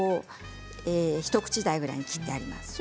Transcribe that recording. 一口大に切ってあります。